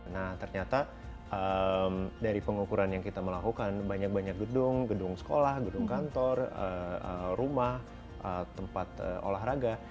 nah ternyata dari pengukuran yang kita melakukan banyak banyak gedung gedung sekolah gedung kantor rumah tempat olahraga